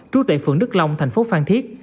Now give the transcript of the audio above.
trú tại phường đức long thành phố phan thiết